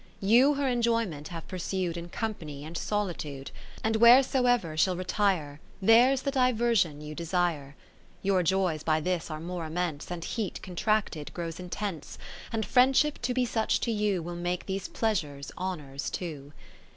V You her enjoyment have pursu'd In company, and solitude ; And wheresoever she'll retire, There 's the diversion you desire. 20 VI Your joys by this are more immense, And heat contracted grows intense ; And friendship to be such to you, Will make these pleasures, honours too.